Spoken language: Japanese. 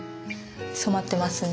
染まってますね。